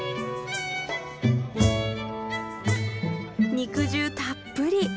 肉汁たっぷり。